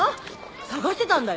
さがしてたんだよ。